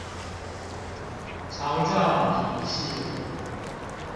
長照體系